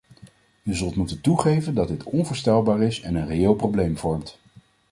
U zult moeten toegeven dat dit onvoorstelbaar is en een reëel probleem vormt.